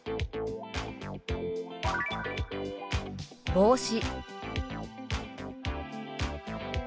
「帽子」。